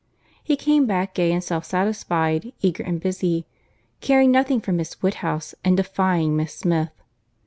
He came back gay and self satisfied, eager and busy, caring nothing for Miss Woodhouse, and defying Miss Smith.